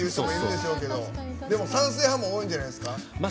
賛成派も多いんじゃないですか？